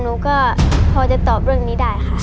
หนูก็พอจะตอบเรื่องนี้ได้ค่ะ